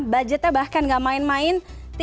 budgetnya bahkan gak main main